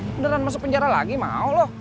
beneran masuk penjara lagi mau loh